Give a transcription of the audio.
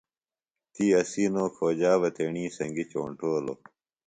تی اسی نوکھوجا بہ تیݨی سنگیۡ چونٹولوۡ